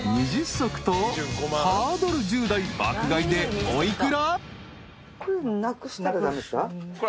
足とハードル１０台爆買いでお幾ら？］